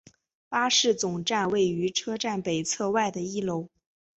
巴士总站位于车站北侧外的一楼。